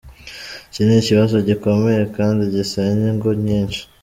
Iki ni ikibazo gikomeye kandi gisenya ingo nyinshi.